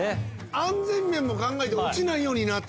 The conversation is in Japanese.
安全面も考えて落ちないようになってる。